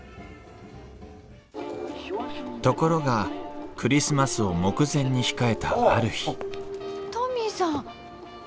ところがクリスマスを目前に控えたある日トミーさん。